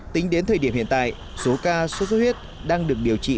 tính đến thời điểm hiện tại số ca sốt xuất huyết đang được điều trị